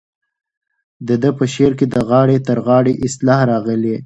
د ده په شعر کې د غاړې تر غاړې اصطلاح راغلې.